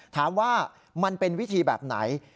ถามว่ามันเป็นวิธีแบบไหน